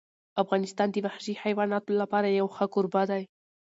افغانستان د وحشي حیواناتو لپاره یو ښه کوربه دی.